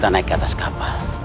dia sudah naik ke atas kapal